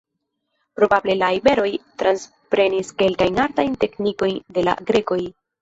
Probable la iberoj transprenis kelkajn artajn teknikojn de la grekoj.